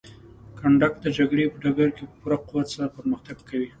کنډک د جګړې په ډګر کې په پوره قوت سره پرمختګ کوي.